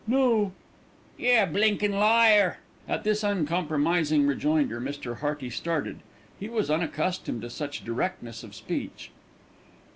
"No!" "Yer a blinkin' liar." At this uncompromising rejoinder Mr. Hearty started. He was unaccustomed to such directness of speech.